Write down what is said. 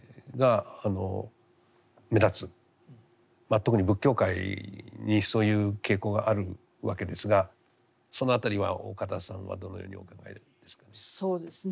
特に仏教界にそういう傾向があるわけですがその辺りは岡田さんはどのようにお考えですかね。